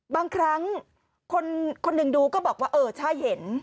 บางครั้งคนหนึ่งดูก็บอกว่าเออใช่เห็น